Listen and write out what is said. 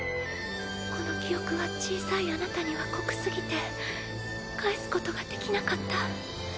この記憶は小さいあなたには酷過ぎて返すことができなかった。